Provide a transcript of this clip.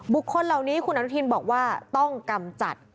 คนเหล่านี้คุณอนุทินบอกว่าต้องกำจัด